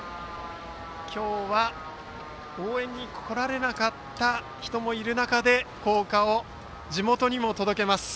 今日は応援に来られなかった人もいる中で校歌を地元にも届けます。